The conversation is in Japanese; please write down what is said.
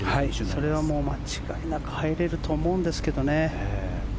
それは間違いなく入れると思うんですけどね。